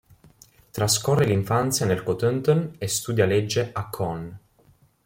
Trascorre l'infanzia nel Cotentin e studia legge a Caen.